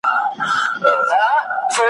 ستا به په شپو کي زنګېدلی یمه `